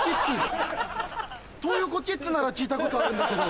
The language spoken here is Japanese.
トー横キッズなら聞いたことあるんだけど。